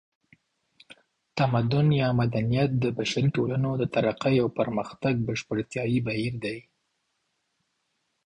تمدن یا مدنیت د بشري ټولنو د ترقۍ او پرمختګ بشپړتیایي بهیر دی